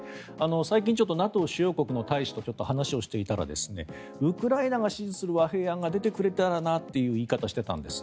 最近、ＮＡＴＯ主要国の大使とちょっと話をしていたらウクライナが指示する和平案が出てくれたらなという言い方をしていたんです。